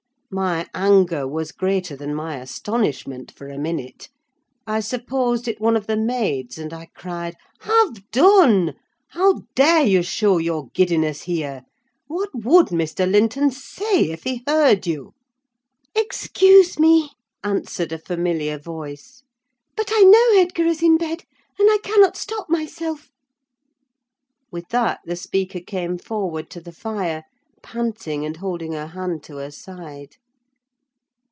My anger was greater than my astonishment for a minute. I supposed it one of the maids, and I cried—"Have done! How dare you show your giddiness here? What would Mr. Linton say if he heard you?" "Excuse me!" answered a familiar voice; "but I know Edgar is in bed, and I cannot stop myself." With that the speaker came forward to the fire, panting and holding her hand to her side.